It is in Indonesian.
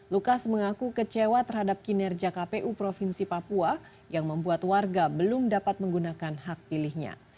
lukas mengaku kecewa terhadap kinerja kpu provinsi papua yang membuat warga belum dapat menggunakan hak pilihnya